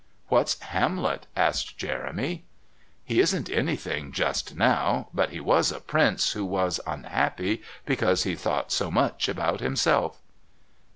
"What's Hamlet?" asked Jeremy. "He isn't anything just now. But he was a prince who Was unhappy because he thought so much about himself."